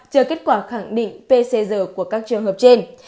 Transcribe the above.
chờ kết quả khẳng định pcr của các trường hợp trên